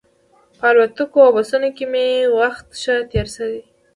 په الوتکو او بسونو کې مې وخت ښه تېر شي.